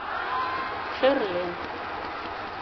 — Шӧрлен.